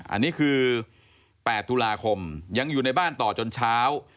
อันนี้คือ๘ตุลาคมยังอยู่ในบ้านต่อจนเช้า